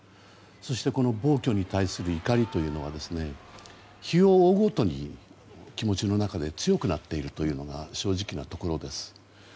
そして、この暴挙に対する怒りというのは日を追うごとに気持ちの中で強くなっているというのが正直なところです。